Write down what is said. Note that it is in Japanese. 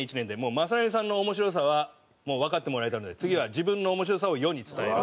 雅紀さんの面白さはもうわかってもらえたので次は自分の面白さを世に伝える」。